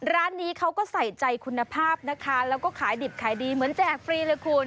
ร้านนี้เขาก็ใส่ใจคุณภาพนะคะแล้วก็ขายดิบขายดีเหมือนแจกฟรีเลยคุณ